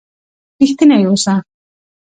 رښتينی اوسه